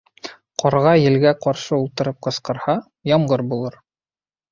Ҡарға елгә ҡаршы ултырып ҡысҡырһа, ямғыр булыр.